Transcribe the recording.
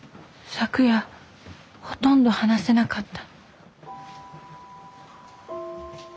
昨夜ほとんど話せなかった。